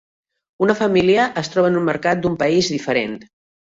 Una família es troba en un mercat d'un país diferent.